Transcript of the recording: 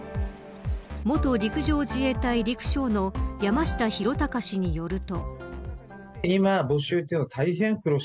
元陸上自衛隊陸将の山下裕貴氏によると。